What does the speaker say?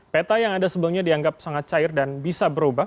peta yang ada sebelumnya dianggap sangat cair dan bisa berubah